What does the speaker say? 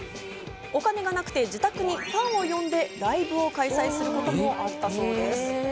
お金がなくて自宅にファンを呼んでライブを開催することもあったそうです。